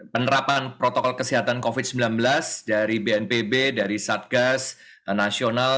penerapan protokol kesehatan covid sembilan belas dari bnpb dari satgas nasional